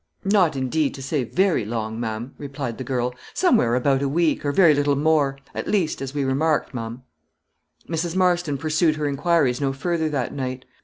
"Not, indeed, to say very long, ma'am," replied the girl; "somewhere about a week, or very little more at least, as we remarked, ma'am." Mrs. Marston pursued her inquiries no further that night.